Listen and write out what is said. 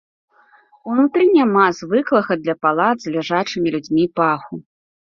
Унутры няма звыклага для палат з ляжачымі людзьмі паху.